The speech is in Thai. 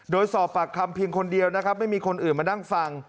โดยสอบปากคำเพียงคนเดียวนะครับไม่มีคนอื่นมานั่งฟัง